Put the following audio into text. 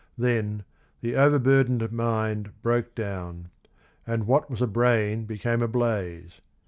Then "the overburdened mind broke down," and "what was a brain became a blaze."